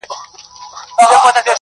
• معاش مو یو برابره مو حِصه ده..